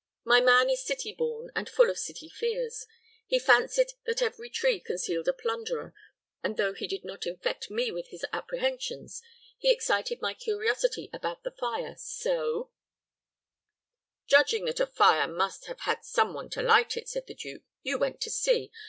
My man is city born, and full of city fears. He fancied that every tree concealed a plunderer, and though he did not infect me with his apprehensions, he excited my curiosity about this fire; so " "Judging that a fire must have some one to light it," said the duke, "you went to see.